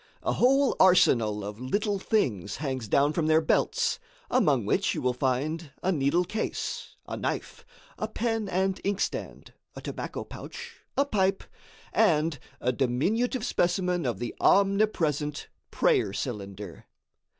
A whole arsenal of little things hangs down from their belts, among which you will find a needle case, a knife, a pen and inkstand, a tobacco pouch, a pipe, and a diminutive specimen of the omnipresent prayer cylinder.